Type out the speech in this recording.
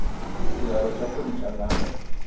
Kigharo chapo ni cha ng'anda